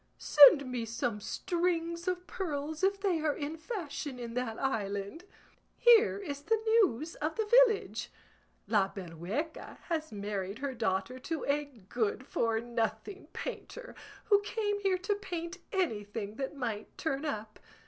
Send me some strings of pearls if they are in fashion in that island. Here is the news of the village; La Berrueca has married her daughter to a good for nothing painter, who came here to paint anything that might turn up.